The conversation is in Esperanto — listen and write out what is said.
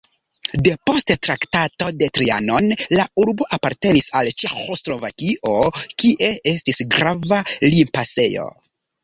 Depost Traktato de Trianon la urbo apartenis al Ĉeĥoslovakio, kie estis grava limpasejo.